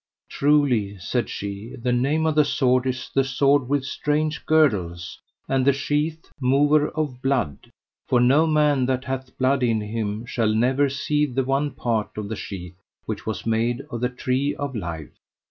Truly, said she, the name of the sword is the Sword with the Strange Girdles; and the sheath, Mover of Blood; for no man that hath blood in him ne shall never see the one part of the sheath which was made of the Tree of Life.